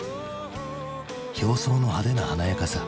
表層の派手な華やかさ。